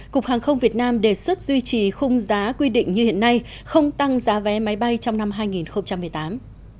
cục hàng không việt nam đề xuất duy trì khung giá quy định như hiện nay không tăng giá vé máy bay trong năm hai nghìn một mươi tám